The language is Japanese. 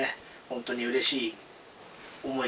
本当にうれしい思いがね。